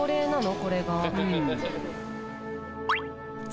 これが。